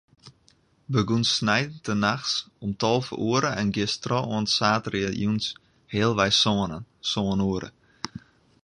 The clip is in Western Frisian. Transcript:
Begûnst sneintenachts om tolve oere en giest troch oant saterdeitejûns healwei sânen, sân oere.